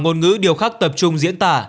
ngôn ngữ điều khắc tập trung diễn tả